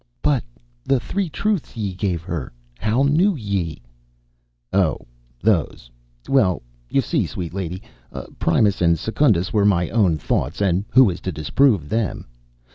"But ... the three truths ye gave her ... how knew ye...?" "Oh, those. Well, see you, sweet lady, Primus and Secundus were my own thoughts, and who is to disprove them?